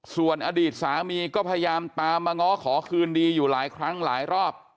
ส่วนอดีตสามีก็พยายามตามมาง้อขอคืนดีอยู่หลายครั้งหลายรอบ